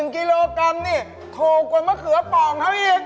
๑กิโลกรัมนี่ถูกกว่ามะเขือป่องเขาอีก